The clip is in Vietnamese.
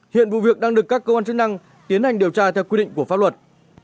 hiện vụ việc đang được các cơ quan chức năng tiến hành điều tra theo quy định của pháp luật